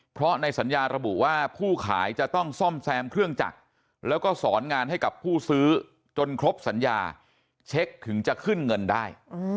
เพราะในสัญญาระบุว่าผู้ขายจะต้องซ่อมแซมเครื่องจักรแล้วก็สอนงานให้กับผู้ซื้อจนครบสัญญาเช็คถึงจะขึ้นเงินได้